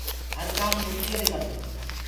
هر ڪآم ڦُڙتيو دي ڪرو۔